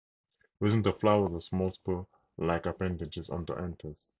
Within the flowers are small spur-like appendages on the anthers.